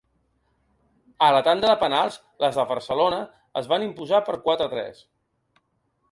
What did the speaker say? A la tanda de penals, les de Barcelona es van imposar per quatre-tres.